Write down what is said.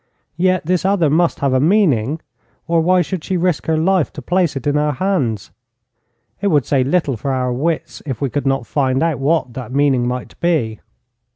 Yet this other must have a meaning, or why should she risk her life to place it in our hands? It would say little for our wits if we could not find out what that meaning might be.